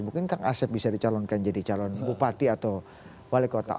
mungkin kang asep bisa dicalonkan jadi calon bupati atau wali kota